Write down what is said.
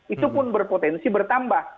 itu pun berpotensi bertambah